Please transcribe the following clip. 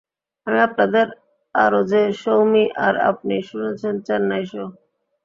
আমি আপনাদের আরজে সৌমি, আর আপনি শুনছেন চেন্নাই শো।